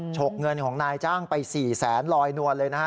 ฉกเงินของนายจ้างไป๔แสนลอยนวลเลยนะฮะ